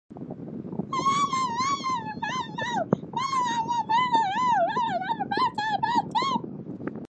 A Bosman transfer to Portsmouth followed after three successful seasons at the Berkshire-based club.